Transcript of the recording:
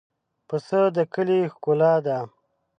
پسه د کلي ښکلا ده.